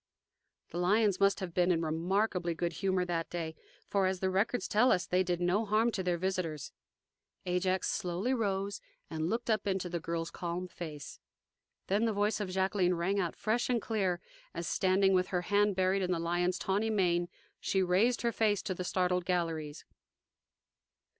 The lions must have been in remarkably good humor on that day, for, as the records tell us, they did no harm to their visitors. Ajax slowly rose and looked up into the girl's calm face. Then the voice of Jacqueline rang out fresh and clear as, standing with her hand buried in the lion's tawny mane, she raised her face to the startled galleries.